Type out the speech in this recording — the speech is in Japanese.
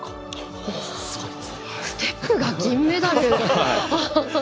ステップが銀メダル。